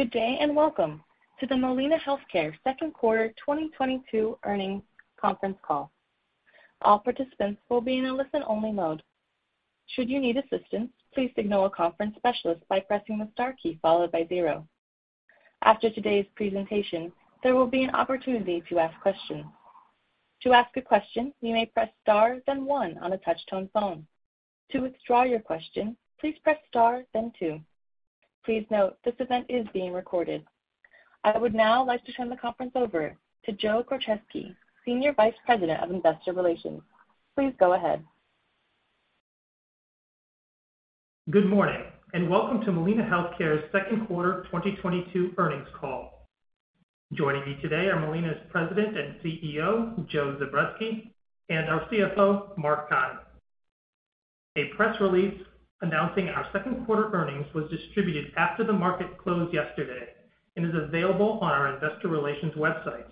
Good day, and welcome to the Molina Healthcare second quarter 2022 earnings conference call. All participants will be in a listen-only mode. Should you need assistance, please signal a conference specialist by pressing the star key followed by zero. After today's presentation, there will be an opportunity to ask questions. To ask a question, you may press star then one on a touch-tone phone. To withdraw your question, please press star then two. Please note, this event is being recorded. I would now like to turn the conference over to Joe Krocheski, Senior Vice President of Investor Relations. Please go ahead. Good morning, and welcome to Molina Healthcare's second quarter 2022 earnings call. Joining me today are Molina's President and CEO, Joe Zubretsky, and our CFO, Mark Keim. A press release announcing our second quarter earnings was distributed after the market closed yesterday and is available on our investor relations website.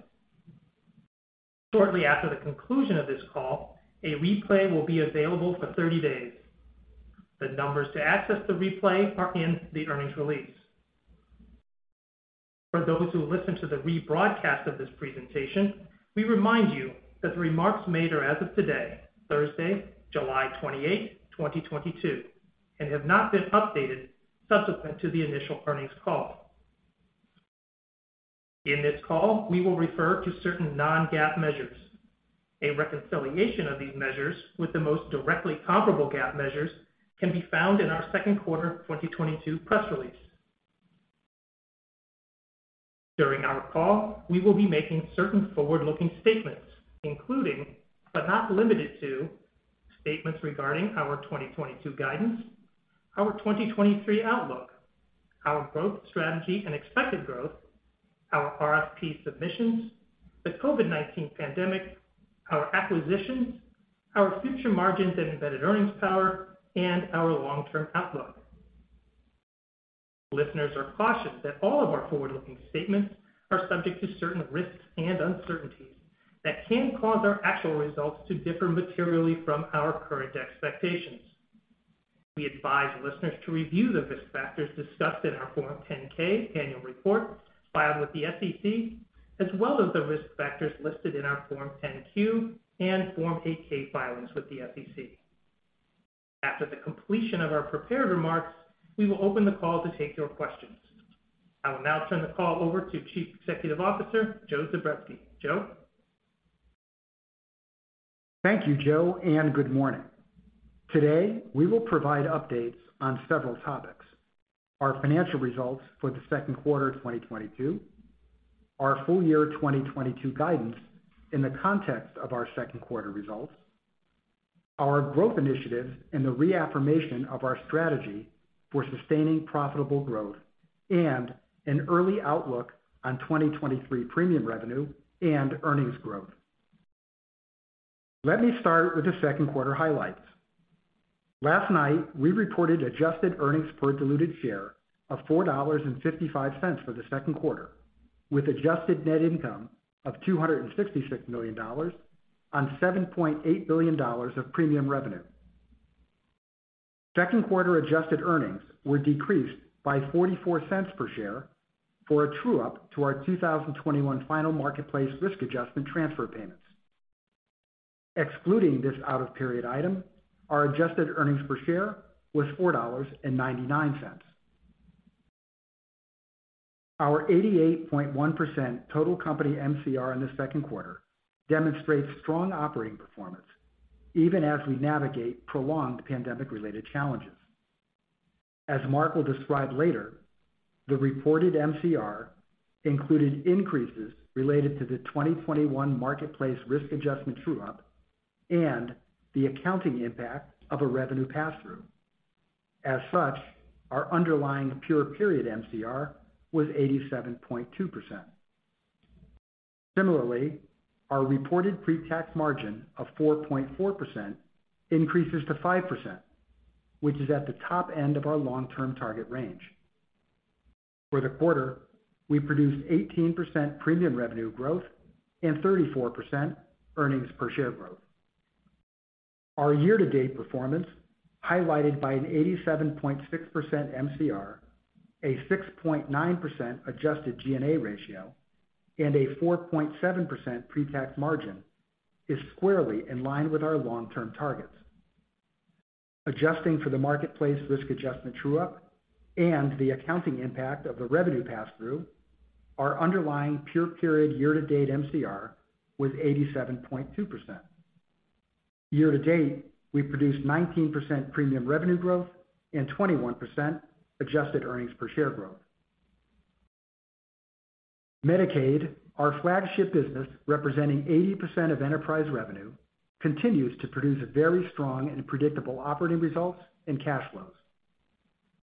Shortly after the conclusion of this call, a replay will be available for 30 days. The numbers to access the replay are in the earnings release. For those who listen to the rebroadcast of this presentation, we remind you that the remarks made are as of today, Thursday, July 28, 2022, and have not been updated subsequent to the initial earnings call. In this call, we will refer to certain non-GAAP measures. A reconciliation of these measures with the most directly comparable GAAP measures can be found in our second quarter 2022 press release. During our call, we will be making certain forward-looking statements, including, but not limited to, statements regarding our 2022 guidance, our 2023 outlook, our growth strategy and expected growth, our RFP submissions, the COVID-19 pandemic, our acquisitions, our future margins and embedded earnings power, and our long-term outlook. Listeners are cautioned that all of our forward-looking statements are subject to certain risks and uncertainties that can cause our actual results to differ materially from our current expectations. We advise listeners to review the risk factors discussed in our Form 10-K annual report filed with the SEC, as well as the risk factors listed in our Form 10-Q and Form 8-K filings with the SEC. After the completion of our prepared remarks, we will open the call to take your questions. I will now turn the call over to Chief Executive Officer Joe Zubretsky. Joe? Thank you, Joe, and good morning. Today, we will provide updates on several topics, our financial results for the second quarter of 2022, our full year 2022 guidance in the context of our second quarter results, our growth initiatives and the reaffirmation of our strategy for sustaining profitable growth, and an early outlook on 2023 premium revenue and earnings growth. Let me start with the second quarter highlights. Last night, we reported adjusted earnings per diluted share of $4.55 for the second quarter, with adjusted net income of $266 million on $7.8 billion of premium revenue. Second quarter adjusted earnings were decreased by $0.44 per share for a true-up to our 2021 final Marketplace risk adjustment transfer payments. Excluding this out of period item, our adjusted EPS was $4.99. Our 88.1% total company MCR in the second quarter demonstrates strong operating performance, even as we navigate prolonged pandemic-related challenges. As Mark will describe later, the reported MCR included increases related to the 2021 Marketplace risk adjustment true-up and the accounting impact of a revenue pass-through. As such, our underlying pure period MCR was 87.2%. Similarly, our reported pre-tax margin of 4.4% increases to 5%, which is at the top end of our long-term target range. For the quarter, we produced 18% premium revenue growth and 34% EPS growth. Our year-to-date performance, highlighted by an 87.6% MCR, a 6.9% adjusted G&A ratio, and a 4.7% pre-tax margin, is squarely in line with our long-term targets. Adjusting for the Marketplace risk adjustment true-up and the accounting impact of the revenue pass-through, our underlying pure period year-to-date MCR was 87.2%. Year to date, we produced 19% premium revenue growth and 21% adjusted earnings per share growth. Medicaid, our flagship business, representing 80% of enterprise revenue, continues to produce very strong and predictable operating results and cash flows.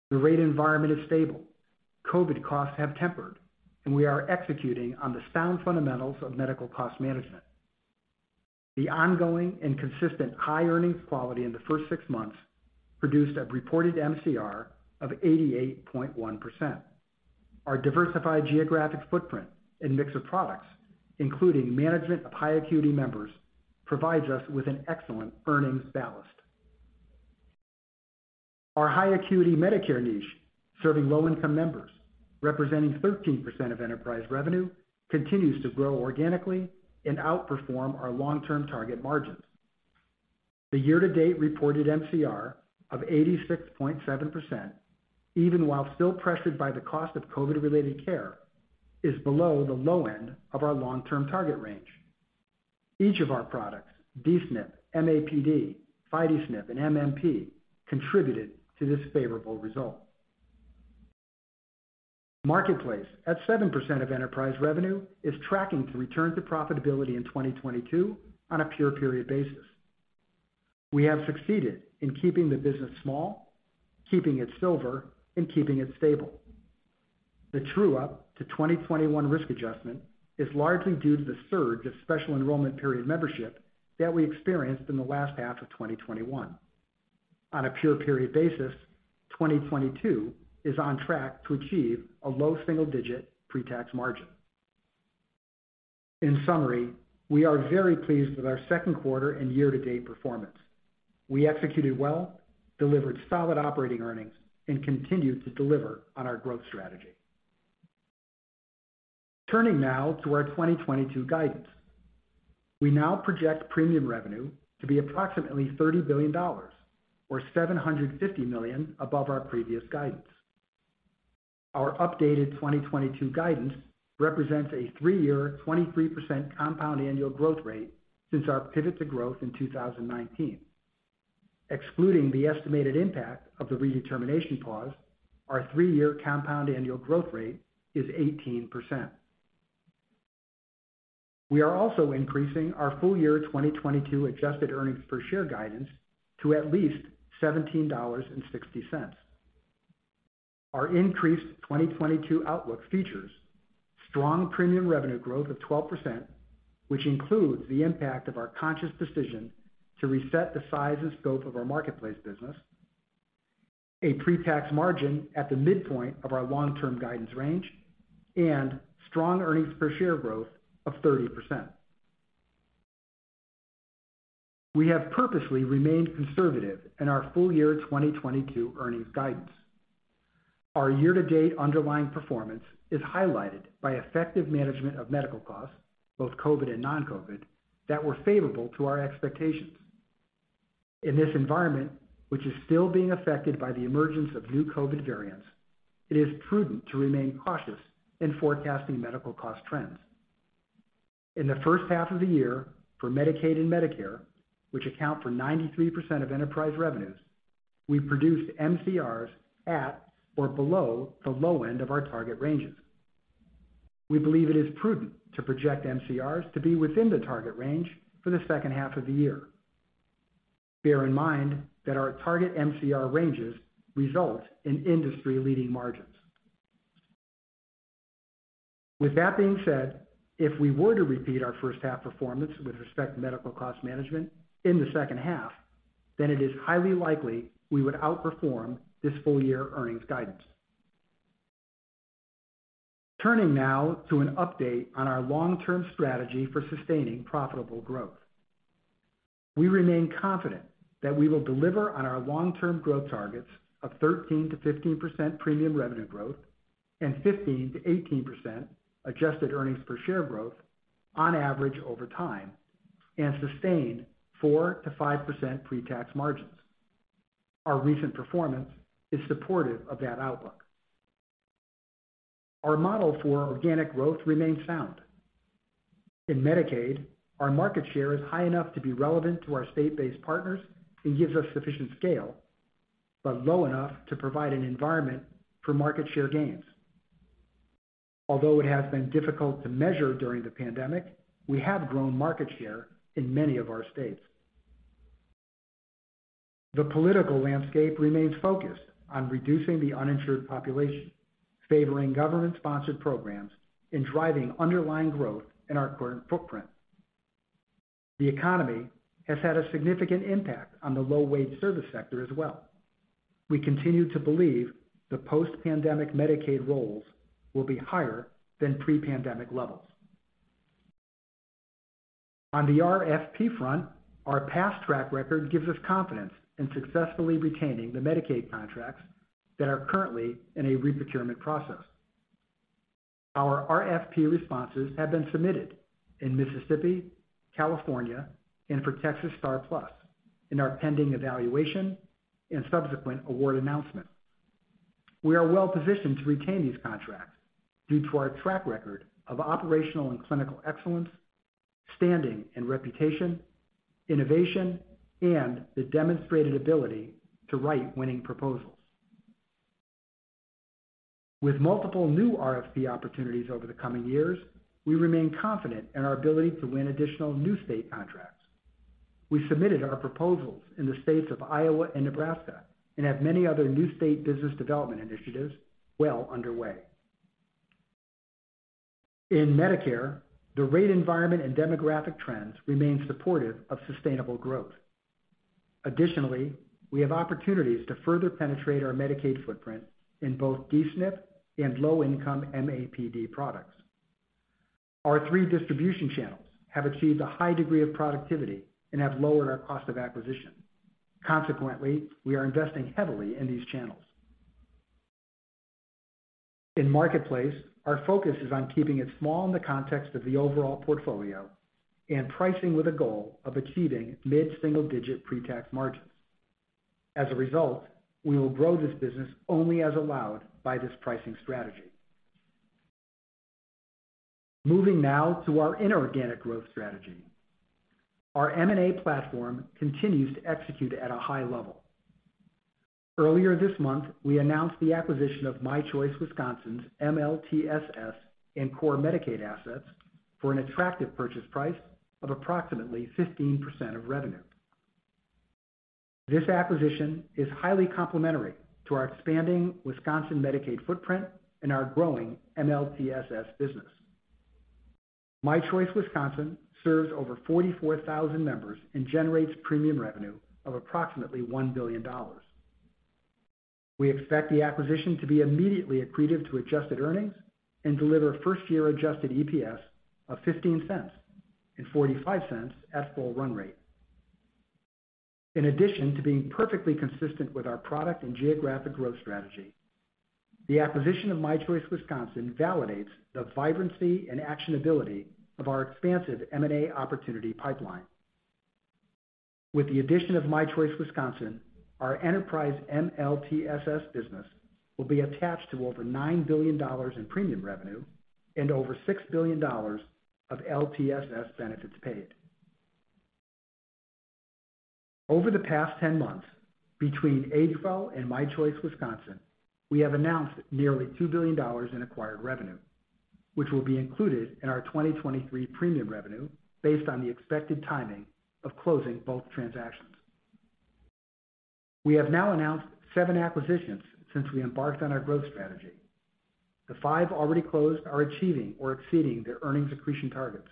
The rate environment is stable. COVID costs have tempered, and we are executing on the sound fundamentals of medical cost management. The ongoing and consistent high earnings quality in the first six months produced a reported MCR of 88.1%. Our diversified geographic footprint and mix of products, including management of high acuity members, provides us with an excellent earnings ballast. Our high acuity Medicare niche serving low-income members, representing 13% of enterprise revenue, continues to grow organically and outperform our long-term target margins. The year-to-date reported MCR of 86.7%, even while still pressured by the cost of COVID-related care, is below the low end of our long-term target range. Each of our products, D-SNP, MAPD, FIDE-SNP, and MMP, contributed to this favorable result. Marketplace, at 7% of enterprise revenue, is tracking to return to profitability in 2022 on a pure period basis. We have succeeded in keeping the business small, keeping it silver, and keeping it stable. The true-up to 2021 risk adjustment is largely due to the surge of special enrollment period membership that we experienced in the last half of 2021. On a pure period basis, 2022 is on track to achieve a low single digit pre-tax margin. In summary, we are very pleased with our second quarter and year-to-date performance. We executed well, delivered solid operating earnings, and continued to deliver on our growth strategy. Turning now to our 2022 guidance. We now project premium revenue to be approximately $30 billion or $750 million above our previous guidance. Our updated 2022 guidance represents a three-year, 23% compound annual growth rate since our pivot to growth in 2019. Excluding the estimated impact of the redetermination pause, our three-year compound annual growth rate is 18%. We are also increasing our full year 2022 adjusted earnings per share guidance to at least $17.60. Our increased 2022 outlook features strong premium revenue growth of 12%, which includes the impact of our conscious decision to reset the size and scope of our marketplace business, a pre-tax margin at the midpoint of our long-term guidance range, and strong earnings per share growth of 30%. We have purposely remained conservative in our full year 2022 earnings guidance. Our year-to-date underlying performance is highlighted by effective management of medical costs, both COVID and non-COVID, that were favorable to our expectations. In this environment, which is still being affected by the emergence of new COVID variants, it is prudent to remain cautious in forecasting medical cost trends. In the first half of the year for Medicaid and Medicare, which account for 93% of enterprise revenues, we produced MCRs at or below the low end of our target ranges. We believe it is prudent to project MCRs to be within the target range for the second half of the year. Bear in mind that our target MCR ranges result in industry-leading margins. With that being said, if we were to repeat our first half performance with respect to medical cost management in the second half, then it is highly likely we would outperform this full-year earnings guidance. Turning now to an update on our long-term strategy for sustaining profitable growth. We remain confident that we will deliver on our long-term growth targets of 13%-15% premium revenue growth and 15%-18% adjusted earnings per share growth on average over time and sustain 4%-5% pre-tax margins. Our recent performance is supportive of that outlook. Our model for organic growth remains sound. In Medicaid, our market share is high enough to be relevant to our state-based partners and gives us sufficient scale, but low enough to provide an environment for market share gains. Although it has been difficult to measure during the pandemic, we have grown market share in many of our states. The political landscape remains focused on reducing the uninsured population, favoring government-sponsored programs and driving underlying growth in our current footprint. The economy has had a significant impact on the low-wage service sector as well. We continue to believe the post-pandemic Medicaid rolls will be higher than pre-pandemic levels. On the RFP front, our past track record gives us confidence in successfully retaining the Medicaid contracts that are currently in a re-procurement process. Our RFP responses have been submitted in Mississippi, California, and for Texas STAR+PLUS and are pending evaluation and subsequent award announcement. We are well positioned to retain these contracts due to our track record of operational and clinical excellence, standing and reputation, innovation, and the demonstrated ability to write winning proposals. With multiple new RFP opportunities over the coming years, we remain confident in our ability to win additional new state contracts. We submitted our proposals in the states of Iowa and Nebraska and have many other new state business development initiatives well underway. In Medicare, the rate environment and demographic trends remain supportive of sustainable growth. Additionally, we have opportunities to further penetrate our Medicaid footprint in both D-SNP and low-income MAPD products. Our three distribution channels have achieved a high degree of productivity and have lowered our cost of acquisition. Consequently, we are investing heavily in these channels. In Marketplace, our focus is on keeping it small in the context of the overall portfolio and pricing with a goal of achieving mid-single digit pre-tax margins. As a result, we will grow this business only as allowed by this pricing strategy. Moving now to our inorganic growth strategy. Our M&A platform continues to execute at a high level. Earlier this month, we announced the acquisition of My Choice Wisconsin's MLTSS and core Medicaid assets for an attractive purchase price of approximately 15% of revenue. This acquisition is highly complementary to our expanding Wisconsin Medicaid footprint and our growing MLTSS business. My Choice Wisconsin serves over 44,000 members and generates premium revenue of approximately $1 billion. We expect the acquisition to be immediately accretive to adjusted earnings and deliver first year adjusted EPS of $0.15 and $0.45 at full run rate. In addition to being perfectly consistent with our product and geographic growth strategy, the acquisition of My Choice Wisconsin validates the vibrancy and actionability of our expansive M&A opportunity pipeline. With the addition of My Choice Wisconsin, our enterprise MLTSS business will be attached to over $9 billion in premium revenue and over $6 billion of LTSS benefits paid. Over the past 10 months, between AgeWell and My Choice Wisconsin, we have announced nearly $2 billion in acquired revenue, which will be included in our 2023 premium revenue based on the expected timing of closing both transactions. We have now announced seven acquisitions since we embarked on our growth strategy. The five already closed are achieving or exceeding their earnings accretion targets.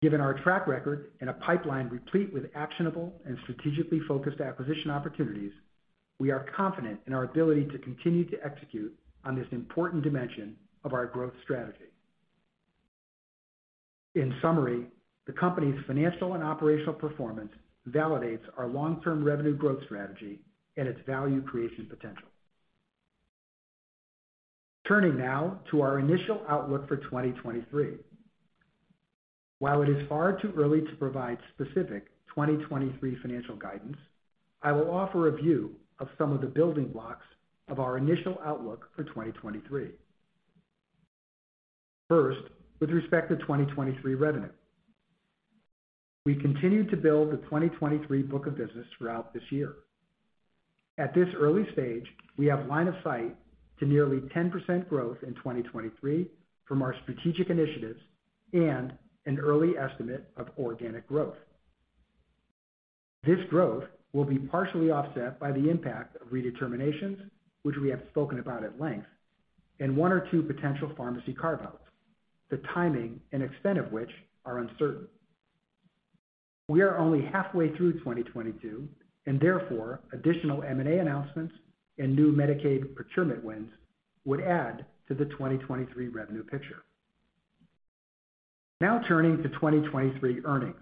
Given our track record and a pipeline replete with actionable and strategically focused acquisition opportunities, we are confident in our ability to continue to execute on this important dimension of our growth strategy. In summary, the company's financial and operational performance validates our long-term revenue growth strategy and its value creation potential. Turning now to our initial outlook for 2023. While it is far too early to provide specific 2023 financial guidance, I will offer a view of some of the building blocks of our initial outlook for 2023. First, with respect to 2023 revenue. We continued to build the 2023 book of business throughout this year. At this early stage, we have line of sight to nearly 10% growth in 2023 from our strategic initiatives and an early estimate of organic growth. This growth will be partially offset by the impact of redeterminations, which we have spoken about at length, and one or two potential pharmacy carve-outs, the timing and extent of which are uncertain. We are only halfway through 2022, and therefore additional M&A announcements and new Medicaid procurement wins would add to the 2023 revenue picture. Now turning to 2023 earnings.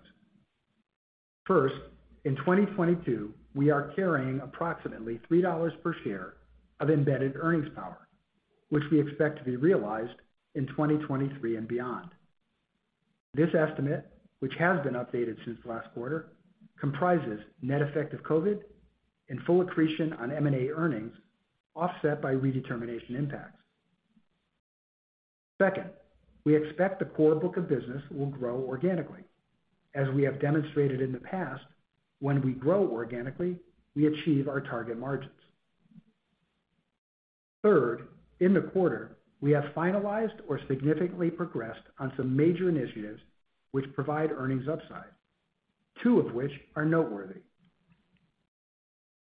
First, in 2022, we are carrying approximately $3 per share of embedded earnings power, which we expect to be realized in 2023 and beyond. This estimate, which has been updated since last quarter, comprises net effect of COVID and full accretion on M&A earnings, offset by redetermination impacts. Second, we expect the core book of business will grow organically. As we have demonstrated in the past, when we grow organically, we achieve our target margins. Third, in the quarter, we have finalized or significantly progressed on some major initiatives which provide earnings upside, two of which are noteworthy.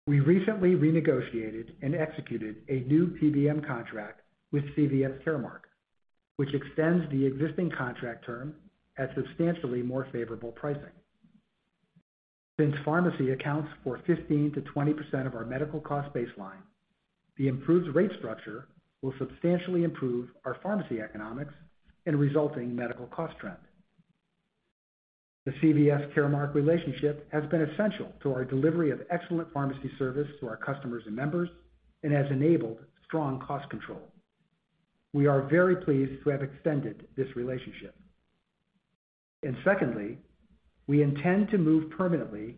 We recently renegotiated and executed a new PBM contract with CVS Caremark, which extends the existing contract term at substantially more favorable pricing. Since pharmacy accounts for 15%-20% of our medical cost baseline, the improved rate structure will substantially improve our pharmacy economics and resulting medical cost trend. The CVS Caremark relationship has been essential to our delivery of excellent pharmacy service to our customers and members and has enabled strong cost control. We are very pleased to have extended this relationship. Secondly, we intend to move permanently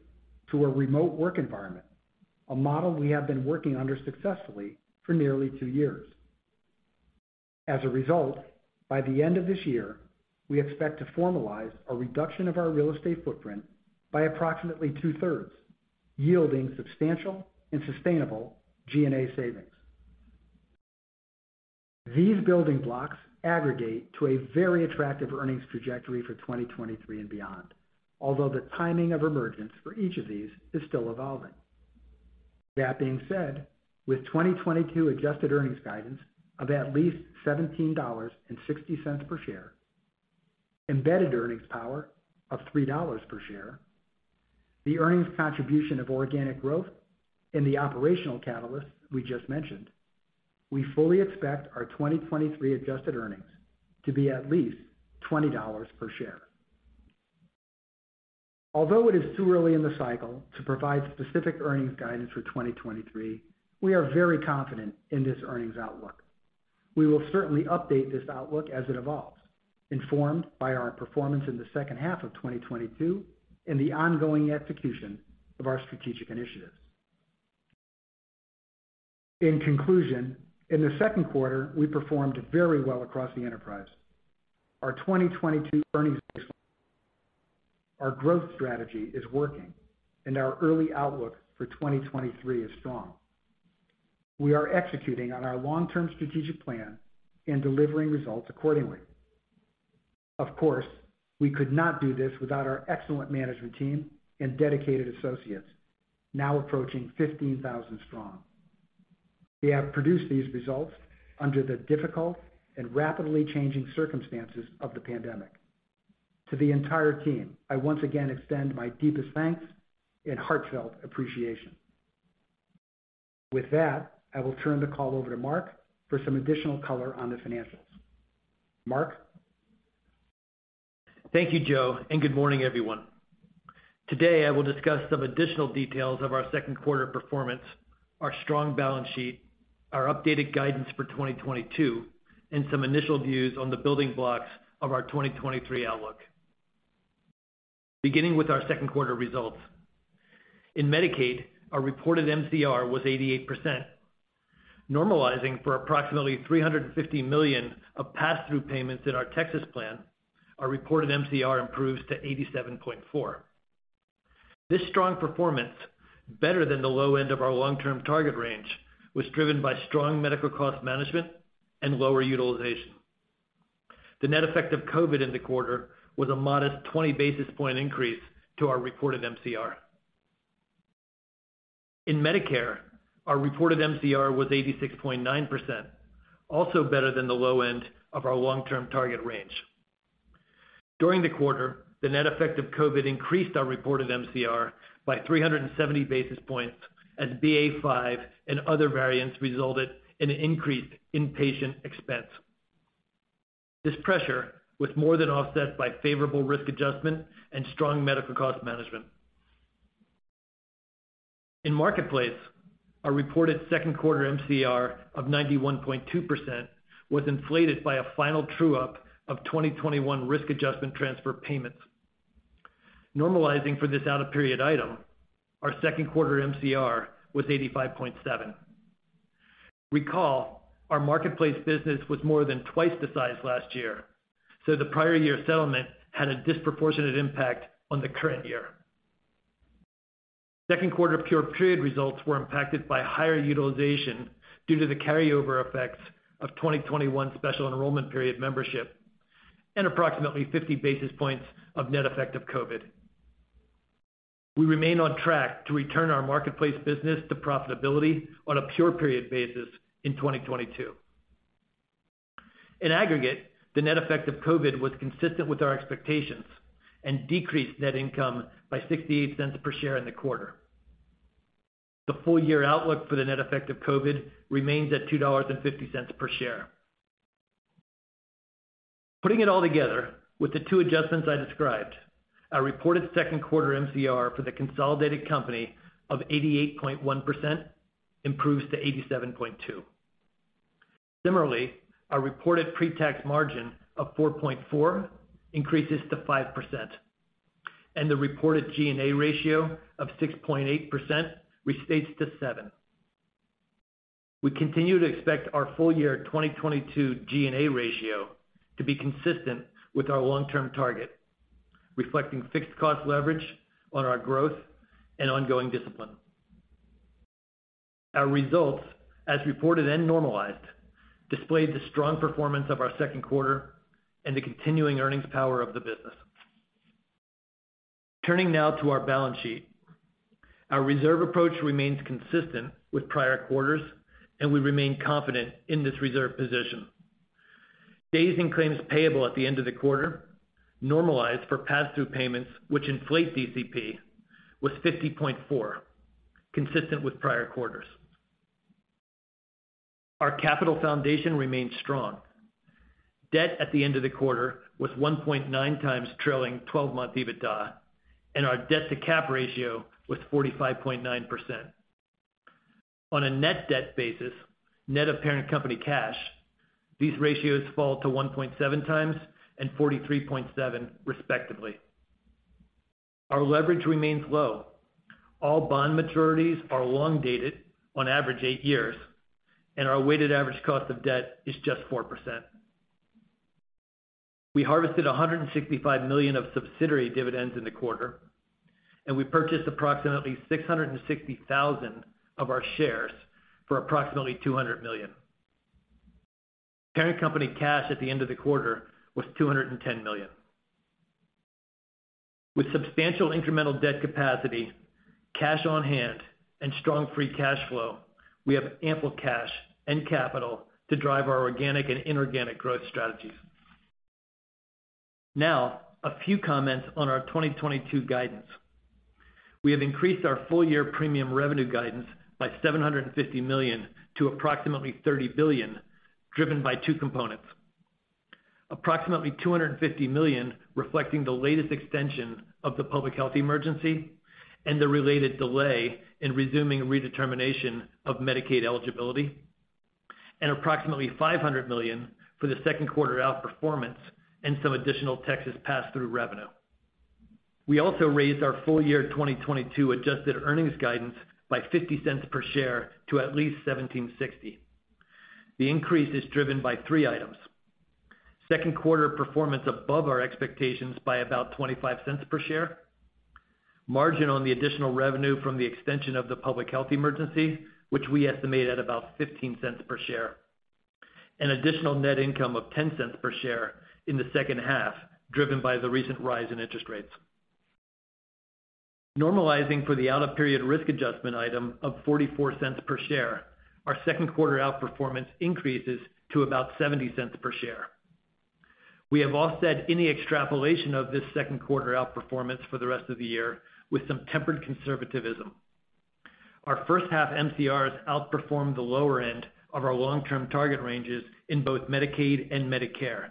to a remote work environment, a model we have been working under successfully for nearly two years. As a result, by the end of this year, we expect to formalize a reduction of our real estate footprint by approximately 2/3, yielding substantial and sustainable G&A savings. These building blocks aggregate to a very attractive earnings trajectory for 2023 and beyond, although the timing of emergence for each of these is still evolving. That being said, with 2022 adjusted earnings guidance of at least $17.60 per share, embedded earnings power of $3 per share. The earnings contribution of organic growth and the operational catalysts we just mentioned, we fully expect our 2023 adjusted earnings to be at least $20 per share. Although it is too early in the cycle to provide specific earnings guidance for 2023, we are very confident in this earnings outlook. We will certainly update this outlook as it evolves, informed by our performance in the second half of 2022 and the ongoing execution of our strategic initiatives. In conclusion, in the second quarter, we performed very well across the enterprise. Our 2022 earnings. Our growth strategy is working, and our early outlook for 2023 is strong. We are executing on our long-term strategic plan and delivering results accordingly. Of course, we could not do this without our excellent management team and dedicated associates, now approaching 15,000 strong. We have produced these results under the difficult and rapidly changing circumstances of the pandemic. To the entire team, I once again extend my deepest thanks and heartfelt appreciation. With that, I will turn the call over to Mark for some additional color on the financials. Mark? Thank you, Joe, and good morning, everyone. Today, I will discuss some additional details of our second quarter performance, our strong balance sheet, our updated guidance for 2022, and some initial views on the building blocks of our 2023 outlook. Beginning with our second quarter results. In Medicaid, our reported MCR was 88%. Normalizing for approximately $350 million of pass-through payments in our Texas plan, our reported MCR improves to 87.4%. This strong performance, better than the low end of our long-term target range, was driven by strong medical cost management and lower utilization. The net effect of COVID in the quarter was a modest 20 basis point increase to our reported MCR. In Medicare, our reported MCR was 86.9%, also better than the low end of our long-term target range. During the quarter, the net effect of COVID-19 increased our reported MCR by 370 basis points as BA.5 and other variants resulted in an increase in patient expense. This pressure was more than offset by favorable risk adjustment and strong medical cost management. In Marketplace, our reported second quarter MCR of 91.2% was inflated by a final true-up of 2021 risk adjustment transfer payments. Normalizing for this out-of-period item, our second quarter MCR was 85.7. Recall, our Marketplace business was more than twice the size last year, so the prior year settlement had a disproportionate impact on the current year. Second quarter pure period results were impacted by higher utilization due to the carryover effects of 2021 special enrollment period membership and approximately 50 basis points of net effect of COVID-19. We remain on track to return our Marketplace business to profitability on a pure period basis in 2022. In aggregate, the net effect of COVID was consistent with our expectations and decreased net income by $0.68 per share in the quarter. The full-year outlook for the net effect of COVID remains at $2.50 per share. Putting it all together, with the two adjustments I described, our reported second quarter MCR for the consolidated company of 88.1% improves to 87.2%. Similarly, our reported pre-tax margin of 4.4% increases to 5%, and the reported G&A ratio of 6.8% restates to 7%. We continue to expect our full-year 2022 G&A ratio to be consistent with our long-term target, reflecting fixed cost leverage on our growth and ongoing discipline. Our results, as reported and normalized, displayed the strong performance of our second quarter and the continuing earnings power of the business. Turning now to our balance sheet. Our reserve approach remains consistent with prior quarters, and we remain confident in this reserve position. Days in claims payable at the end of the quarter, normalized for pass-through payments which inflate DCP, was 50.4, consistent with prior quarters. Our capital foundation remains strong. Debt at the end of the quarter was 1.9x trailing 12-month EBITDA, and our debt-to-cap ratio was 45.9%. On a net debt basis, net of parent company cash, these ratios fall to 1.7x and 43.7%, respectively. Our leverage remains low. All bond maturities are long dated, on average eight years, and our weighted average cost of debt is just 4%. We harvested $165 million of subsidiary dividends in the quarter, and we purchased approximately 660,000 of our shares for approximately $200 million. Parent company cash at the end of the quarter was $210 million. With substantial incremental debt capacity, cash on hand, and strong free cash flow, we have ample cash and capital to drive our organic and inorganic growth strategies. Now a few comments on our 2022 guidance. We have increased our full year premium revenue guidance by $750 million to approximately $30 billion, driven by two components. Approximately $250 million reflecting the latest extension of the public health emergency and the related delay in resuming redetermination of Medicaid eligibility, and approximately $500 million for the second quarter outperformance and some additional Texas pass-through revenue. We also raised our full year 2022 adjusted earnings guidance by $0.50 per share to at least $17.60. The increase is driven by three items. Second quarter performance above our expectations by about $0.25 per share. Margin on the additional revenue from the extension of the public health emergency, which we estimate at about $0.15 per share. An additional net income of $0.10 per share in the second half, driven by the recent rise in interest rates. Normalizing for the out of period risk adjustment item of $0.44 per share, our second quarter outperformance increases to about $0.70 per share. We have offset any extrapolation of this second quarter outperformance for the rest of the year with some tempered conservatism. Our first half MCRs outperformed the lower end of our long-term target ranges in both Medicaid and Medicare.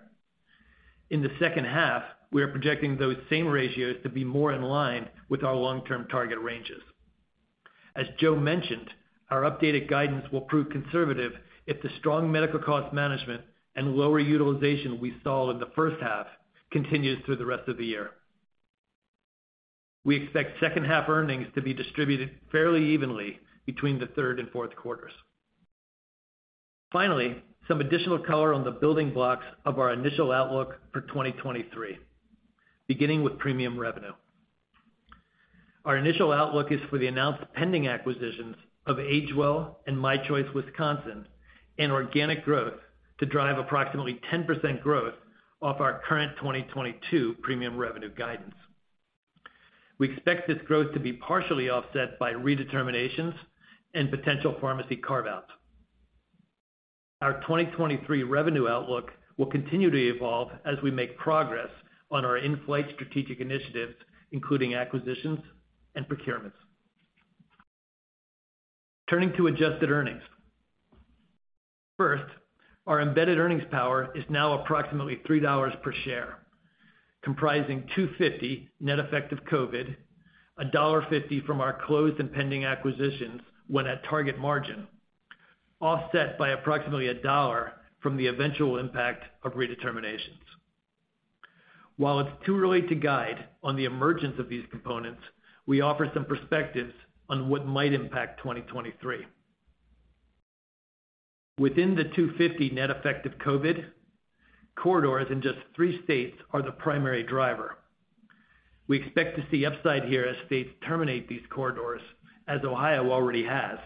In the second half, we are projecting those same ratios to be more in line with our long-term target ranges. As Joe mentioned, our updated guidance will prove conservative if the strong medical cost management and lower utilization we saw in the first half continues through the rest of the year. We expect second half earnings to be distributed fairly evenly between the third and fourth quarters. Finally, some additional color on the building blocks of our initial outlook for 2023, beginning with premium revenue. Our initial outlook is for the announced pending acquisitions of AgeWell and My Choice Wisconsin and organic growth to drive approximately 10% growth off our current 2022 premium revenue guidance. We expect this growth to be partially offset by redeterminations and potential pharmacy carve-outs. Our 2023 revenue outlook will continue to evolve as we make progress on our in-flight strategic initiatives, including acquisitions and procurements. Turning to adjusted earnings. First, our embedded earnings power is now approximately $3 per share, comprising $2.50 net effect of COVID, $1.50 from our closed and pending acquisitions when at target margin, offset by approximately $1 from the eventual impact of redeterminations. While it's too early to guide on the emergence of these components, we offer some perspectives on what might impact 2023. Within the $2.50 net effect of COVID, corridors in just three states are the primary driver. We expect to see upside here as states terminate these corridors, as Ohio already has,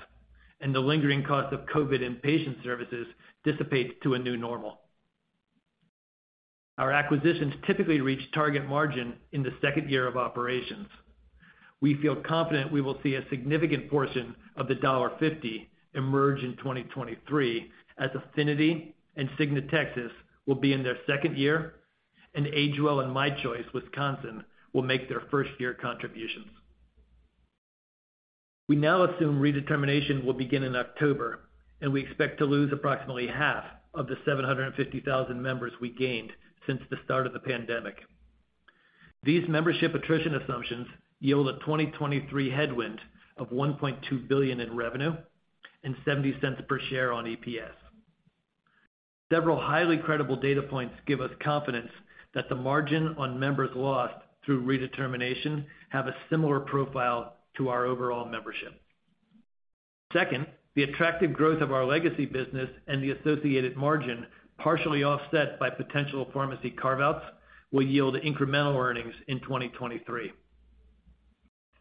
and the lingering cost of COVID and patient services dissipate to a new normal. Our acquisitions typically reach target margin in the second year of operations. We feel confident we will see a significant portion of the $1.50 emerge in 2023 as Affinity and Cigna Texas will be in their second year, and AgeWell and My Choice Wisconsin will make their first-year contributions. We now assume redetermination will begin in October, and we expect to lose approximately half of the 750,000 members we gained since the start of the pandemic. These membership attrition assumptions yield a 2023 headwind of $1.2 billion in revenue and $0.70 per share on EPS. Several highly credible data points give us confidence that the margin on members lost through redetermination have a similar profile to our overall membership. Second, the attractive growth of our legacy business and the associated margin, partially offset by potential pharmacy carve-outs, will yield incremental earnings in 2023.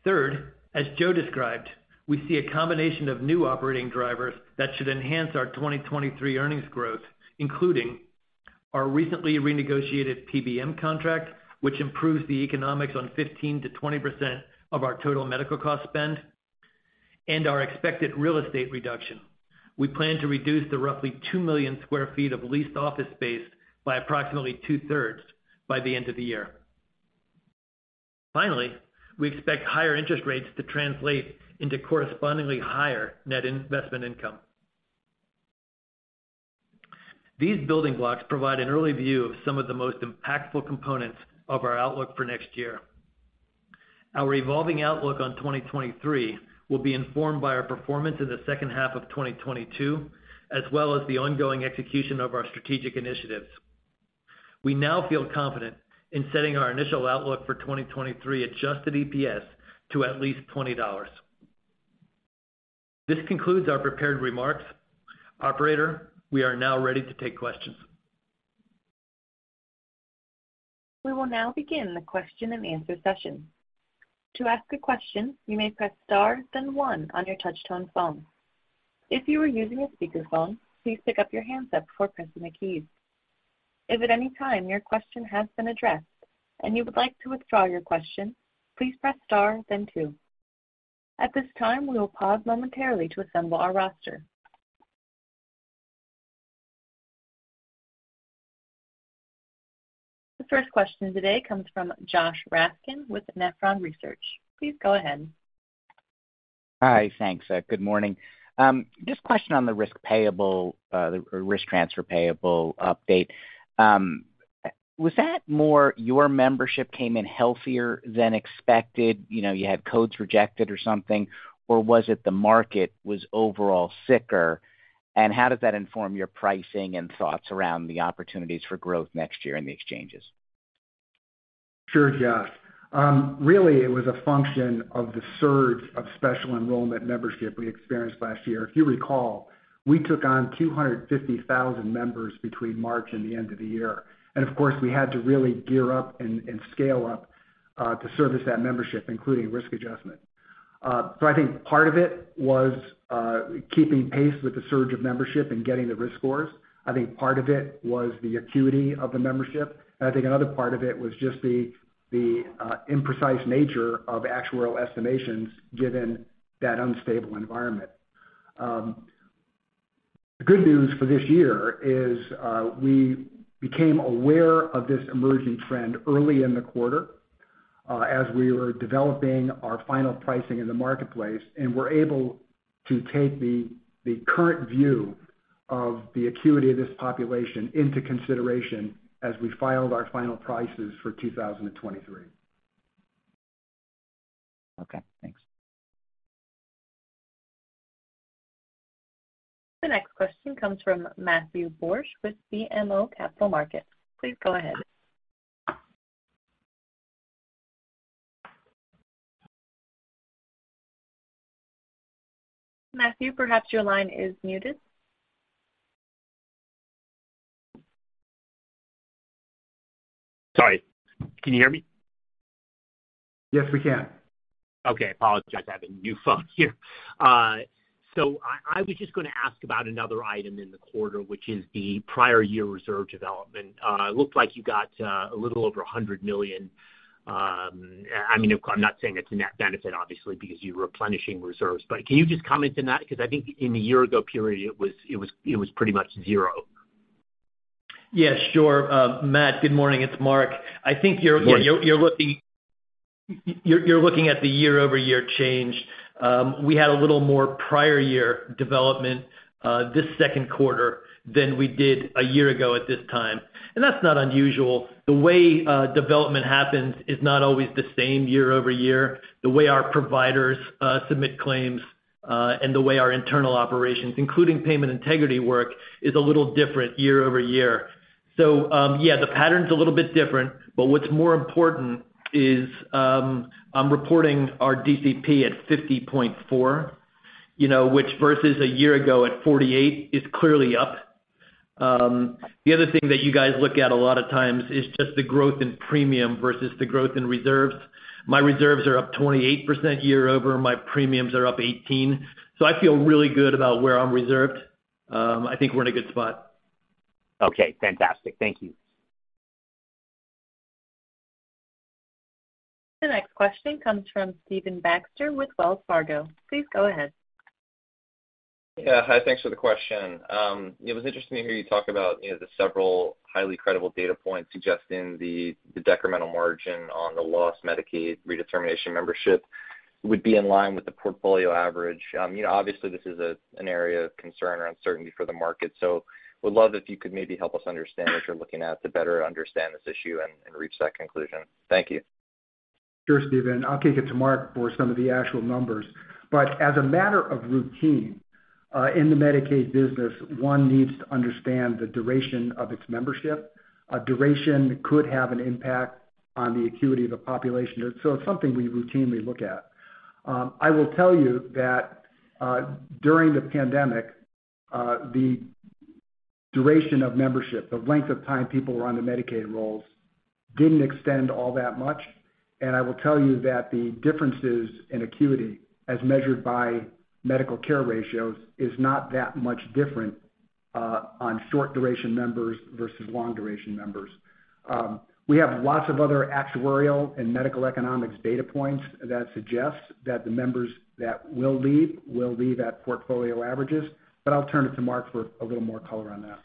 Third, as Joe described, we see a combination of new operating drivers that should enhance our 2023 earnings growth, including our recently renegotiated PBM contract, which improves the economics on 15%-20% of our total medical cost spend and our expected real estate reduction. We plan to reduce the roughly 2 million sq ft of leased office space by approximately 2/3 by the end of the year. Finally, we expect higher interest rates to translate into correspondingly higher net investment income. These building blocks provide an early view of some of the most impactful components of our outlook for next year. Our evolving outlook on 2023 will be informed by our performance in the second half of 2022, as well as the ongoing execution of our strategic initiatives. We now feel confident in setting our initial outlook for 2023 adjusted EPS to at least $20. This concludes our prepared remarks. Operator, we are now ready to take questions. We will now begin the question and answer session. To ask a question, you may press star then one on your touch tone phone. If you are using a speakerphone, please pick up your handset before pressing the keys. If at any time your question has been addressed and you would like to withdraw your question, please press star then two. At this time, we will pause momentarily to assemble our roster. The first question today comes from Josh Raskin with Nephron Research. Please go ahead. Hi. Thanks. Good morning. Just a question on the risk payable or risk transfer payable update. Was that more your membership came in healthier than expected, you know, you had codes rejected or something, or was it the market was overall sicker? How does that inform your pricing and thoughts around the opportunities for growth next year in the exchanges? Sure, Josh. Really, it was a function of the surge of special enrollment membership we experienced last year. If you recall, we took on 250,000 members between March and the end of the year, and of course, we had to really gear up and scale up to service that membership, including risk adjustment. I think part of it was keeping pace with the surge of membership and getting the risk scores. I think part of it was the acuity of the membership. I think another part of it was just the imprecise nature of actuarial estimations, given that unstable environment. The good news for this year is we became aware of this emerging trend early in the quarter as we were developing our final pricing in the Marketplace, and we're able to take the current view of the acuity of this population into consideration as we filed our final prices for 2023. Okay, thanks. The next question comes from Matthew Borsch with BMO Capital Markets. Please go ahead. Matthew, perhaps your line is muted. Sorry. Can you hear me? Yes, we can. Okay. Apologize. I have a new phone here. I was just gonna ask about another item in the quarter, which is the prior year reserve development. It looked like you got a little over $100 million. I mean, of course, I'm not saying it's a net benefit obviously, because you're replenishing reserves. Can you just comment on that? 'Cause I think in the year ago period, it was pretty much zero. Yes, sure. Matt, good morning. It's Mark. Yes. I think you're looking at the year-over-year change. We had a little more prior year development this second quarter than we did a year ago at this time, and that's not unusual. The way development happens is not always the same year-over-year. The way our providers submit claims and the way our internal operations, including payment integrity work, is a little different year-over-year. The pattern's a little bit different, but what's more important is I'm reporting our DCP at 50.4, you know, which versus a year ago at 48, is clearly up. The other thing that you guys look at a lot of times is just the growth in premium versus the growth in reserves. My reserves are up 28% year over. My premiums are up 18, so I feel really good about where I'm reserved. I think we're in a good spot. Okay, fantastic. Thank you. The next question comes from Stephen Baxter with Wells Fargo. Please go ahead. Yeah. Hi. Thanks for the question. Yeah, it was interesting to hear you talk about, you know, the several highly credible data points suggesting the decremental margin on the lost Medicaid redetermination membership would be in line with the portfolio average. You know, obviously this is an area of concern or uncertainty for the market. Would love if you could maybe help us understand what you're looking at to better understand this issue and reach that conclusion. Thank you. Sure, Stephen. I'll kick it to Mark for some of the actual numbers. As a matter of routine, in the Medicaid business, one needs to understand the duration of its membership. Duration could have an impact on the acuity of the population. It's something we routinely look at. I will tell you that, during the pandemic, the duration of membership, the length of time people were on the Medicaid rolls didn't extend all that much. I will tell you that the differences in acuity, as measured by medical care ratios, is not that much different, on short duration members versus long duration members. We have lots of other actuarial and medical economics data points that suggest that the members that will leave will leave at portfolio averages, but I'll turn it to Mark for a little more color on that.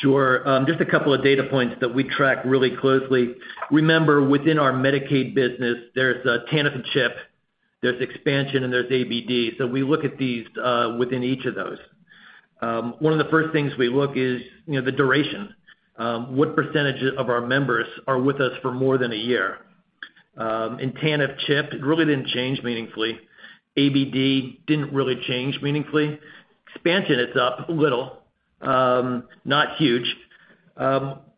Sure. Just a couple of data points that we track really closely. Remember, within our Medicaid business, there's, TANF and CHIP, there's expansion and there's ABD. We look at these, within each of those. One of the first things we look is, you know, the duration. What percentage of our members are with us for more than a year? In TANF CHIP, it really didn't change meaningfully. ABD didn't really change meaningfully. Expansion, it's up a little, not huge.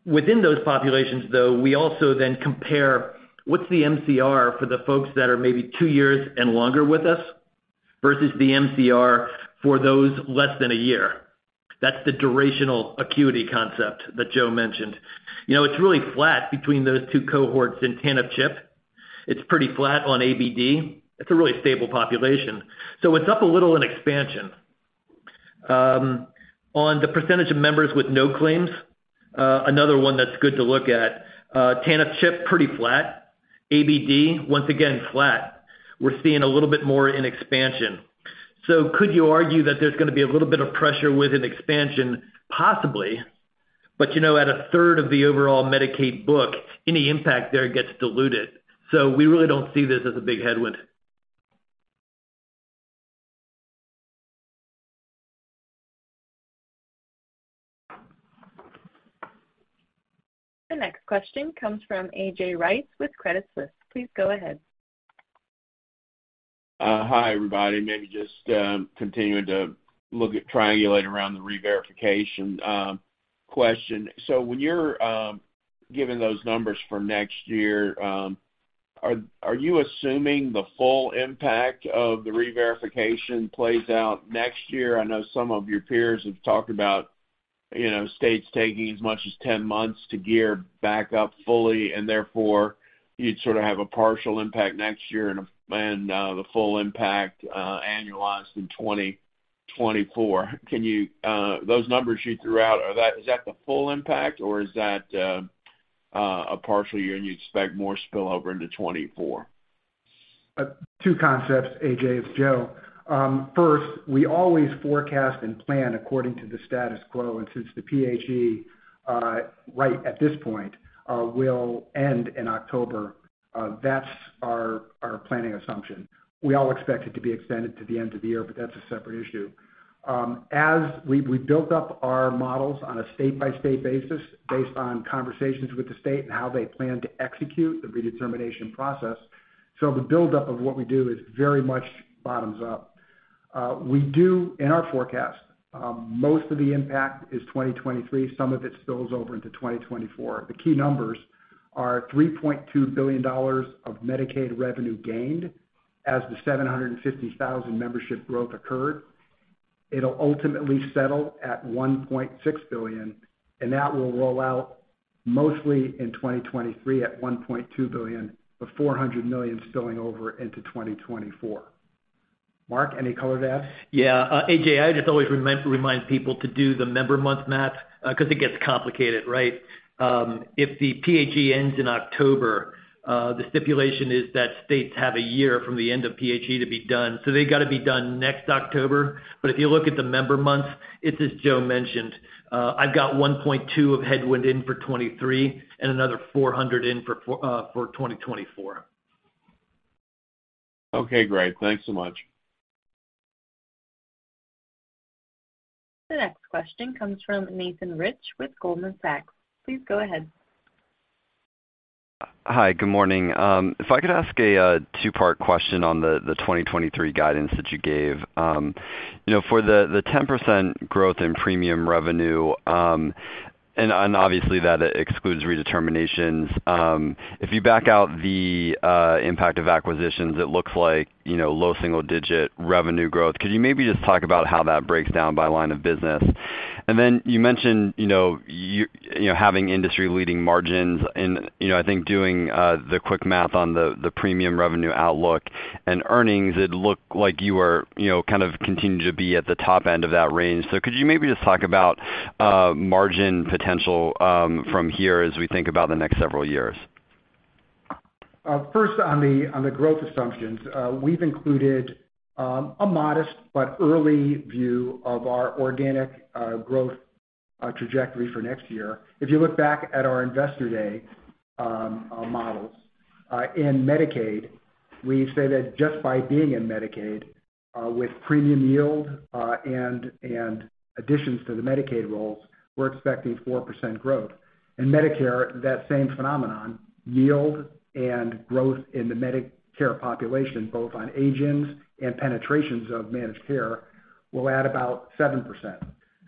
Within those populations though, we also then compare what's the MCR for the folks that are maybe two years and longer with us versus the MCR for those less than a year. That's the durational acuity concept that Joe mentioned. You know, it's really flat between those two cohorts in TANF CHIP. It's pretty flat on ABD. It's a really stable population. It's up a little in expansion. On the percentage of members with no claims, another one that's good to look at, TANF CHIP, pretty flat. ABD, once again flat. We're seeing a little bit more in expansion. Could you argue that there's gonna be a little bit of pressure with an expansion? Possibly, but, you know, at a third of the overall Medicaid book, any impact there gets diluted. We really don't see this as a big headwind. The next question comes from A.J. Rice with Credit Suisse. Please go ahead. Hi, everybody. Maybe just continuing to look at triangulating around the reverification question. When you're giving those numbers for next year, are you assuming the full impact of the reverification plays out next year? I know some of your peers have talked about, you know, states taking as much as 10 months to gear back up fully, and therefore, you'd sort of have a partial impact next year and the full impact annualized in 2024. Those numbers you threw out, is that the full impact or is that a partial year and you'd expect more spill over into 2024? Two concepts, A.J. It's Joe. First, we always forecast and plan according to the status quo, and since the PHE right at this point will end in October, that's our planning assumption. We all expect it to be extended to the end of the year, but that's a separate issue. As we built up our models on a state-by-state basis based on conversations with the state and how they plan to execute the redetermination process. The buildup of what we do is very much bottoms up. We do in our forecast, most of the impact is 2023, some of it spills over into 2024. The key numbers are $3.2 billion of Medicaid revenue gained as the 750,000 membership growth occurred. It'll ultimately settle at $1.6 billion, and that will roll out mostly in 2023 at $1.2 billion, with $400 million spilling over into 2024. Mark, any color to add? Yeah. A.J., I just always remind people to do the member month math, 'cause it gets complicated, right? If the PHE ends in October, the stipulation is that states have a year from the end of PHE to be done, so they've gotta be done next October. If you look at the member months, it's as Joe mentioned. I've got 1.2 of headwind in for 2023 and another 400 in for 2024. Okay, great. Thanks so much. The next question comes from Nathan Rich with Goldman Sachs. Please go ahead. Hi, good morning. If I could ask a two-part question on the 2023 guidance that you gave. You know, for the 10% growth in premium revenue, and obviously that excludes redeterminations. If you back out the impact of acquisitions, it looks like, you know, low single-digit revenue growth. Could you maybe just talk about how that breaks down by line of business? You mentioned, you know, having industry-leading margins and, you know, I think doing the quick math on the premium revenue outlook and earnings, it looked like you were, you know, kind of continuing to be at the top end of that range. Could you maybe just talk about margin potential from here as we think about the next several years? First on the growth assumptions, we've included a modest but early view of our organic growth trajectory for next year. If you look back at our investor day models in Medicaid, we say that just by being in Medicaid with premium yield and additions to the Medicaid rolls, we're expecting 4% growth. In Medicare, that same phenomenon, yield and growth in the Medicare population, both on aging and penetrations of managed care, will add about 7%.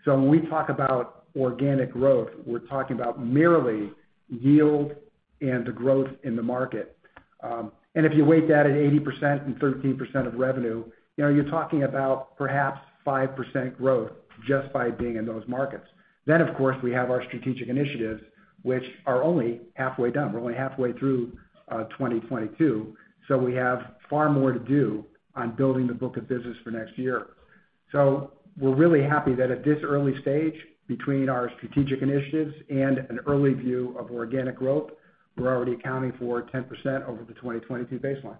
When we talk about organic growth, we're talking about merely yield and the growth in the market. If you weight that at 80% and 13% of revenue, you know, you're talking about perhaps 5% growth just by being in those markets. Of course, we have our strategic initiatives, which are only halfway done. We're only halfway through 2022, so we have far more to do on building the book of business for next year. We're really happy that at this early stage, between our strategic initiatives and an early view of organic growth, we're already accounting for 10% over the 2022 baseline.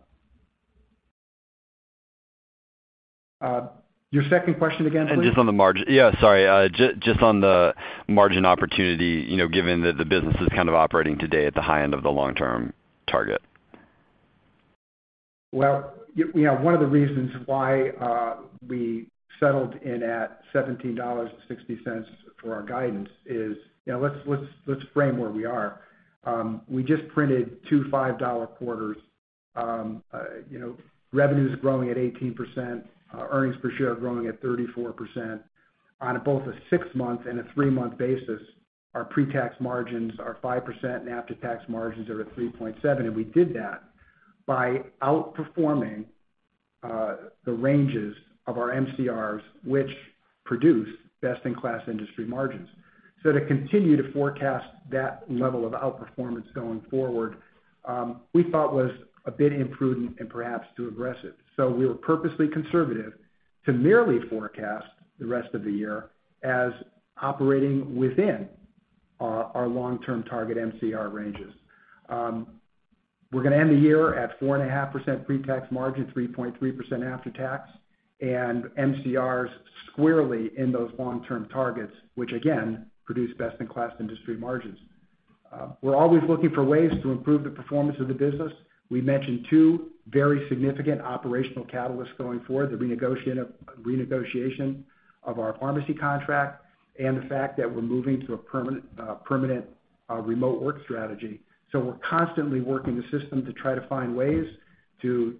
Your second question again, please? Just on the margin. Yeah, sorry. Just on the margin opportunity, you know, given that the business is kind of operating today at the high end of the long-term target. Well, you know, one of the reasons why we settled in at $17.60 for our guidance is. You know, let's frame where we are. We just printed two $5 quarters. You know, revenue's growing at 18%. Earnings per share are growing at 34%. On both a six-month and a three-month basis, our pre-tax margins are 5%, and after-tax margins are at 3.7%. We did that by outperforming the ranges of our MCRs, which produce best-in-class industry margins. To continue to forecast that level of outperformance going forward, we thought was a bit imprudent and perhaps too aggressive. We were purposely conservative to merely forecast the rest of the year as operating within our long-term target MCR ranges. We're gonna end the year at 4.5% pretax margin, 3.3% after-tax, and MCRs squarely in those long-term targets, which again, produce best-in-class industry margins. We're always looking for ways to improve the performance of the business. We mentioned two very significant operational catalysts going forward, the renegotiation of our pharmacy contract and the fact that we're moving to a permanent remote work strategy. We're constantly working the system to try to find ways to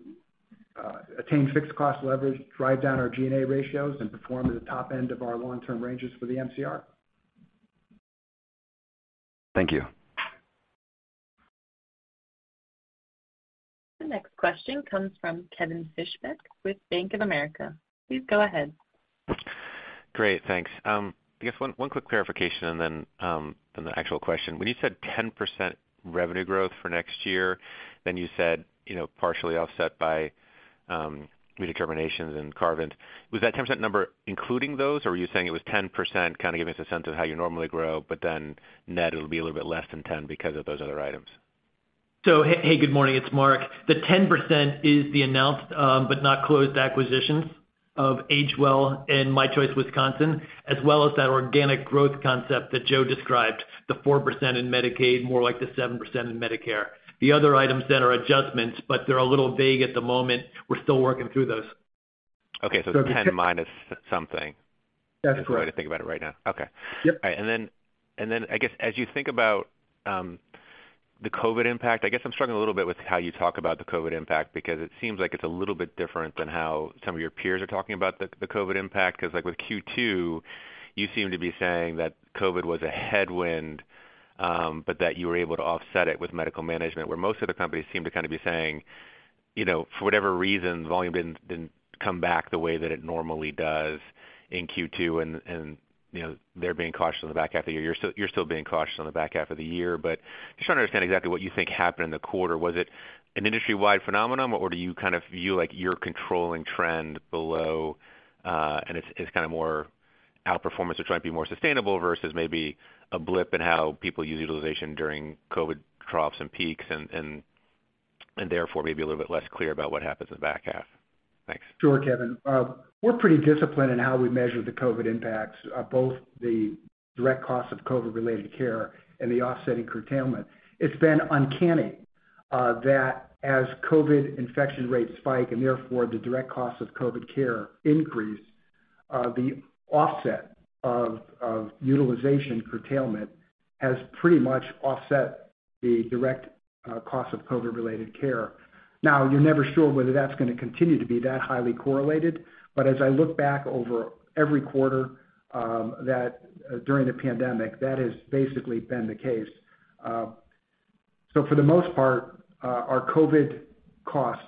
attain fixed cost leverage, drive down our G&A ratios, and perform at the top end of our long-term ranges for the MCR. Thank you. The next question comes from Kevin Fischbeck with Bank of America. Please go ahead. Great, thanks. I guess one quick clarification and then the actual question. When you said 10% revenue growth for next year, then you said, you know, partially offset by redeterminations and carve-ins. Was that 10% number including those, or were you saying it was 10% kinda giving us a sense of how you normally grow, but then net it'll be a little bit less than 10% because of those other items? Hey, good morning, it's Mark. The 10% is the announced but not closed acquisitions of AgeWell and My Choice Wisconsin, as well as that organic growth concept that Joe described, the 4% in Medicaid, more like the 7% in Medicare. The other items then are adjustments, but they're a little vague at the moment. We're still working through those. Okay. So- 10- something. That's correct. If I were to think about it right now. Okay. Yep. All right. I guess as you think about the COVID impact, I guess I'm struggling a little bit with how you talk about the COVID impact because it seems like it's a little bit different than how some of your peers are talking about the COVID impact. 'Cause like with Q2, you seem to be saying that COVID was a headwind, but that you were able to offset it with medical management, where most of the companies seem to kinda be saying, you know, for whatever reason, volume didn't come back the way that it normally does in Q2, and you know, they're being cautious on the back half of the year. You're still being cautious on the back half of the year. Just trying to understand exactly what you think happened in the quarter. Was it an industry-wide phenomenon, or do you kind of view like your controlling trend below, and it's kinda more outperformance or trying to be more sustainable versus maybe a blip in how people use utilization during COVID troughs and peaks and therefore maybe a little bit less clear about what happens in the back half? Thanks. Sure, Kevin. We're pretty disciplined in how we measure the COVID impacts, both the direct costs of COVID-related care and the offsetting curtailment. It's been uncanny that as COVID infection rates spike, and therefore the direct costs of COVID care increase, the offset of utilization curtailment has pretty much offset the direct cost of COVID-related care. Now, you're never sure whether that's gonna continue to be that highly correlated, but as I look back over every quarter during the pandemic, that has basically been the case. For the most part, our COVID costs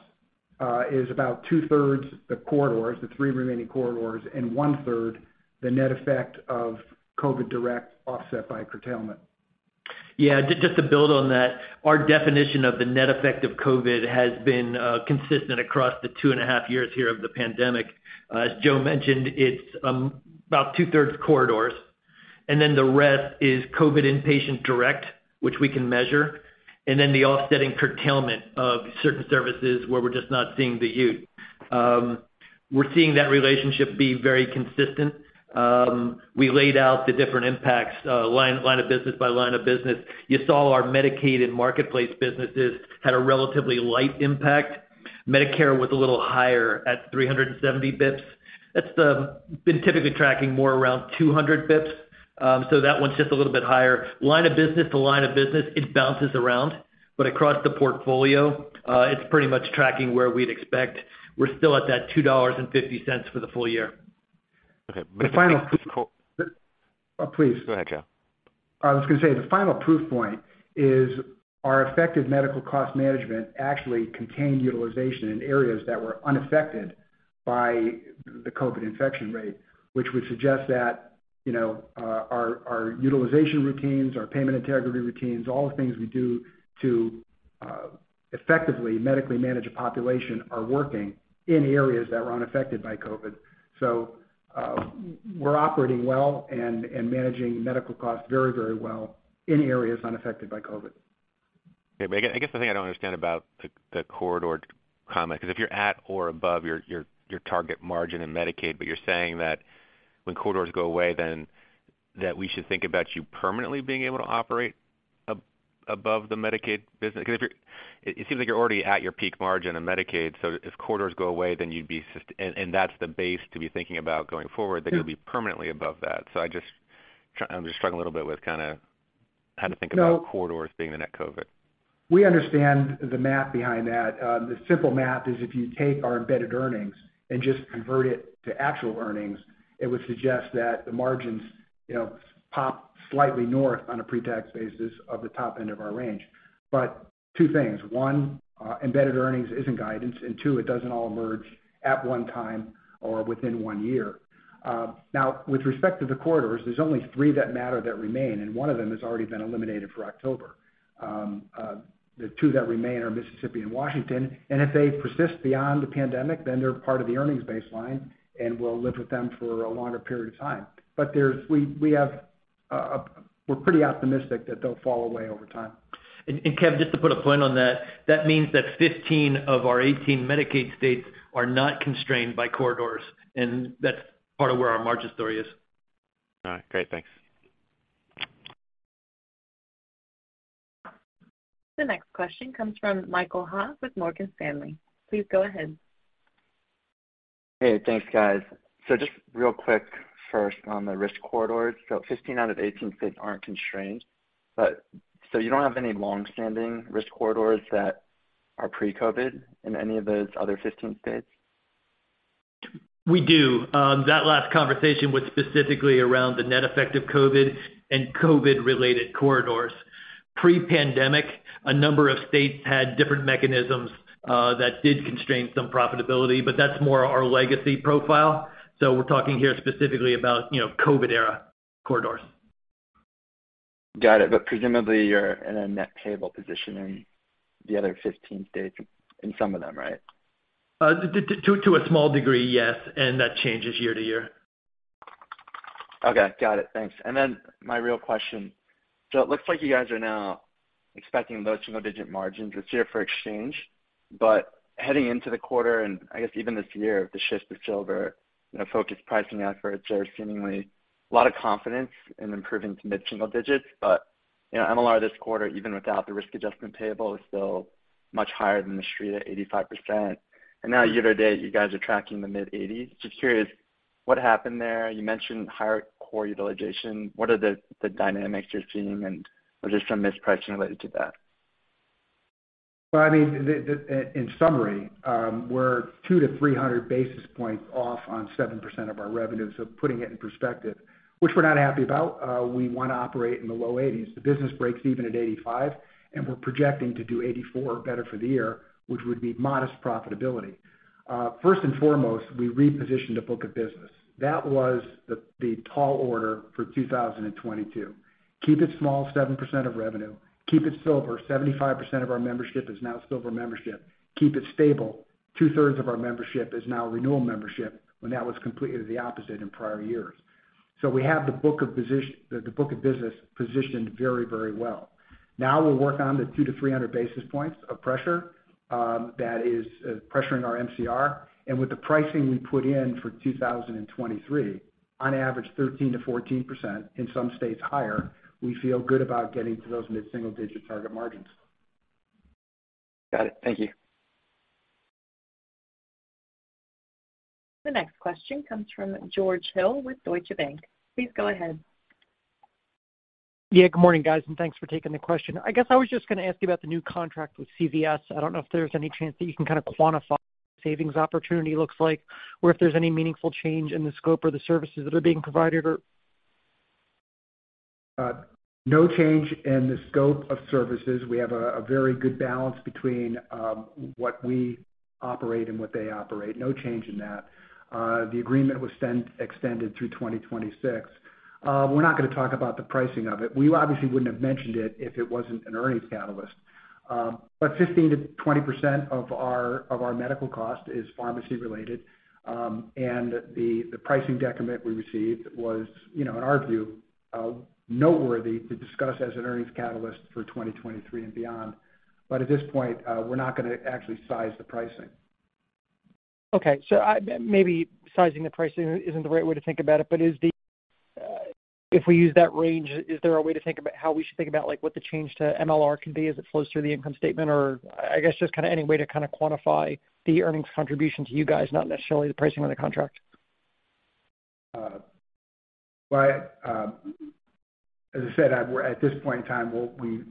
is about 2/3 the corridors, the three remaining corridors, and 1/3 the net effect of COVID direct offset by curtailment. Yeah. Just to build on that, our definition of the net effect of COVID has been consistent across the two and a half years here of the pandemic. As Joe mentioned, it's about 2/3 corridors, and then the rest is COVID inpatient direct, which we can measure, and then the offsetting curtailment of certain services where we're just not seeing the use. We're seeing that relationship be very consistent. We laid out the different impacts, line of business by line of business. You saw our Medicaid and Marketplace businesses had a relatively light impact. Medicare was a little higher at 370 basis points. That's been typically tracking more around 200 basis points, so that one's just a little bit higher. Line of business to line of business, it bounces around. Across the portfolio, it's pretty much tracking where we'd expect. We're still at that $2.50 for the full year. Okay. The final- Just quick- Please. Go ahead, Joe. I was gonna say, the final proof point is our effective medical cost management actually contained utilization in areas that were unaffected by the COVID infection rate, which would suggest that, you know, our utilization routines, our payment integrity routines, all the things we do to effectively medically manage a population are working in areas that were unaffected by COVID. We're operating well and managing medical costs very, very well in areas unaffected by COVID. Okay. I guess the thing I don't understand about the corridor comment, 'cause if you're at or above your target margin in Medicaid, but you're saying that when corridors go away, then that we should think about you permanently being able to operate above the Medicaid business? 'Cause it seems like you're already at your peak margin in Medicaid, so if corridors go away, then you'd be, and that's the base to be thinking about going forward. Yeah. that you'll be permanently above that. I'm just struggling a little bit with kinda how to think about So- corridors being the net COVID. We understand the math behind that. The simple math is if you take our embedded earnings and just convert it to actual earnings, it would suggest that the margins, you know, pop slightly north on a pretax basis of the top end of our range. Two things. One, embedded earnings isn't guidance, and two, it doesn't all emerge at one time or within one year. Now with respect to the corridors, there's only three that matter that remain, and one of them has already been eliminated for October. The two that remain are Mississippi and Washington, and if they persist beyond the pandemic, then they're part of the earnings baseline and we'll live with them for a longer period of time. We're pretty optimistic that they'll fall away over time. Kev, just to put a point on that means that 15 of our 18 Medicaid states are not constrained by corridors, and that's part of where our margin story is. All right, great. Thanks. The next question comes from Ricky Goldwasser with Morgan Stanley. Please go ahead. Hey, thanks guys. Just real quick first on the risk corridors. 15 out of 18 states aren't constrained, but so you don't have any long-standing risk corridors that are pre-COVID in any of those other 15 states? We do. That last conversation was specifically around the net effect of COVID and COVID-related corridors. Pre-pandemic, a number of states had different mechanisms that did constrain some profitability, but that's more our legacy profile. We're talking here specifically about, you know, COVID era corridors. Got it. Presumably you're in a net payable position in the other 15 states, in some of them, right? To a small degree, yes, and that changes year to year. Okay. Got it. Thanks. Then my real question. It looks like you guys are now expecting low single-digit margins this year for exchange. Heading into the quarter, and I guess even this year, the shift to silver, you know, focused pricing efforts are seemingly a lot of confidence in improving to mid-single digits. You know, MLR this quarter, even without the risk adjustment payable, is still much higher than the street at 85%. Now year to date, you guys are tracking the mid-80s%. Just curious what happened there. You mentioned higher core utilization. What are the dynamics you're seeing and was there some mispricing related to that? In summary, we're 200-300 basis points off on 7% of our revenue, so putting it in perspective, which we're not happy about. We wanna operate in the low 80s. The business breaks even at 85, and we're projecting to do 84 or better for the year, which would be modest profitability. First and foremost, we repositioned a book of business. That was the tall order for 2022. Keep it small, 7% of revenue. Keep it silver. 75% of our membership is now silver membership. Keep it stable. 2/3 of our membership is now renewal membership, when that was completely the opposite in prior years. We have the book of business positioned very, very well. Now we're working on the 200-300 basis points of pressure that is pressuring our MCR, and with the pricing we put in for 2023, on average 13%-14%, in some states higher, we feel good about getting to those mid-single-digit target margins. Got it. Thank you. The next question comes from George Hill with Deutsche Bank. Please go ahead. Yeah, good morning, guys, and thanks for taking the question. I guess I was just gonna ask you about the new contract with CVS. I don't know if there's any chance that you can kind of quantify what the savings opportunity looks like, or if there's any meaningful change in the scope or the services that are being provided. No change in the scope of services. We have a very good balance between what we operate and what they operate. No change in that. The agreement was extended through 2026. We're not gonna talk about the pricing of it. We obviously wouldn't have mentioned it if it wasn't an earnings catalyst. 15%-20% of our medical cost is pharmacy related, and the pricing decrement we received was, you know, in our view, noteworthy to discuss as an earnings catalyst for 2023 and beyond. At this point, we're not gonna actually size the pricing. Okay. Maybe sizing the pricing isn't the right way to think about it, but is there, if we use that range, is there a way to think about how we should think about, like what the change to MLR could be as it flows through the income statement? I guess just kinda any way to kinda quantify the earnings contribution to you guys, not necessarily the pricing of the contract. Well, as I said, we're at this point in time,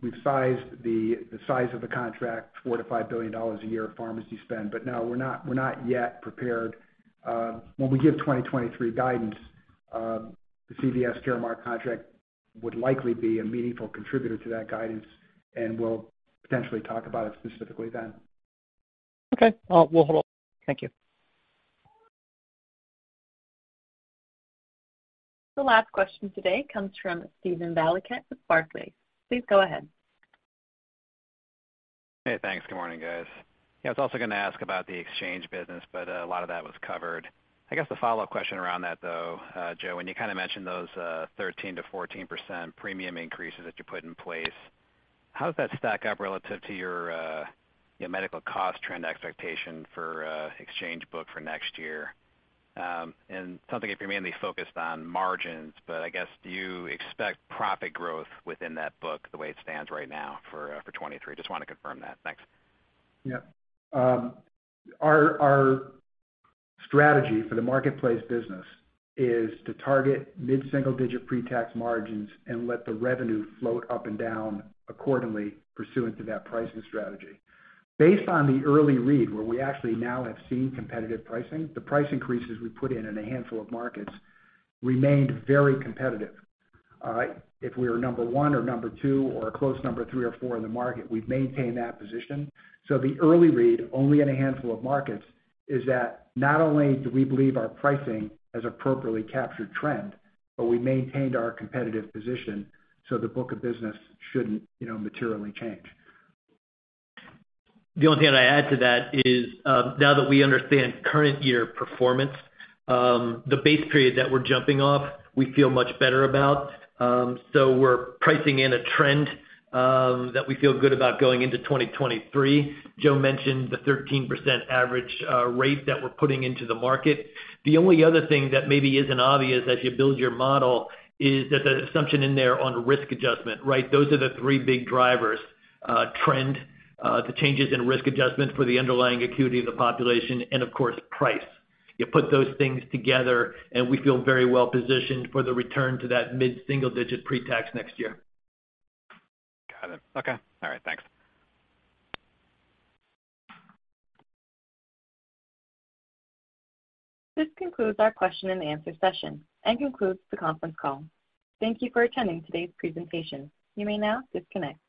we've sized the size of the contract, $4 billion-$5 billion a year of pharmacy spend, but we're not yet prepared. When we give 2023 guidance, the CVS Caremark contract would likely be a meaningful contributor to that guidance, and we'll potentially talk about it specifically then. Okay. We'll hold off. Thank you. The last question today comes from Steven Valiquette with Barclays. Please go ahead. Hey, thanks. Good morning, guys. Yeah, I was also gonna ask about the exchange business, but a lot of that was covered. I guess the follow-up question around that though, Joe, when you kinda mentioned those 13%-14% premium increases that you put in place, how does that stack up relative to your your medical cost trend expectation for exchange book for next year? Something if you're mainly focused on margins, but I guess do you expect profit growth within that book the way it stands right now for 2023? Just wanna confirm that. Thanks. Our strategy for the Marketplace business is to target mid-single digit pre-tax margins and let the revenue float up and down accordingly pursuant to that pricing strategy. Based on the early read, where we actually now have seen competitive pricing, the price increases we put in in a handful of markets remained very competitive. If we were number one or number two or a close number three or four in the market, we've maintained that position. The early read, only in a handful of markets, is that not only do we believe our pricing has appropriately captured trend, but we maintained our competitive position, so the book of business shouldn't, you know, materially change. The only thing I'd add to that is, now that we understand current year performance, the base period that we're jumping off, we feel much better about. We're pricing in a trend that we feel good about going into 2023. Joe mentioned the 13% average rate that we're putting into the market. The only other thing that maybe isn't obvious as you build your model is that the assumption in there on risk adjustment, right? Those are the three big drivers, trend, the changes in risk adjustments for the underlying acuity of the population, and of course, price. You put those things together, and we feel very well positioned for the return to that mid-single digit pre-tax next year. Got it. Okay. All right. Thanks. This concludes our question and answer session and concludes the conference call. Thank you for attending today's presentation. You may now disconnect.